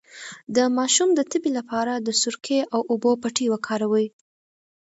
د ماشوم د تبې لپاره د سرکې او اوبو پټۍ وکاروئ